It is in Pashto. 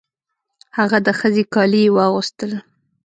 هغه د ښځې کالي یې واغوستل.